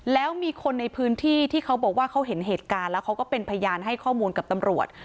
แล้วมีคนในพื้นที่ที่เขาบอกว่าเขาเห็นเหตุการณ์แล้วเขาก็เป็นพยานให้ข้อมูลกับตำรวจ